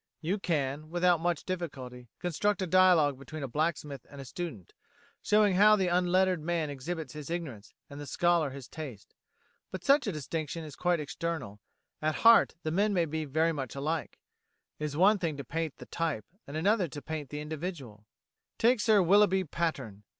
You can, without much difficulty, construct a dialogue between a blacksmith and a student, showing how the unlettered man exhibits his ignorance and the scholar his taste. But such a distinction is quite external; at heart the men may be very much alike. It is one thing to paint the type, and another to paint the individual. Take Sir Willoughby Patterne.